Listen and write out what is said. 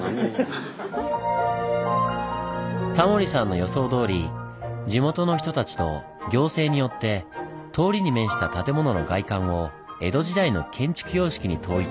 タモリさんの予想どおり地元の人たちと行政によって通りに面した建物の外観を江戸時代の建築様式に統一。